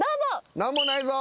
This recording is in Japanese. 何もないぞ。